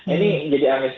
ini jadi angin segar